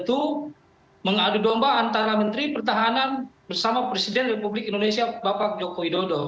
itu mengadu domba antara menteri pertahanan bersama presiden republik indonesia bapak joko widodo